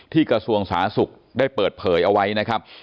กระทรวงสาธารณสุขได้เปิดเผยเอาไว้นะครับ